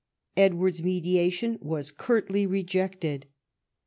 Edward's mediation Avas curtly rejected.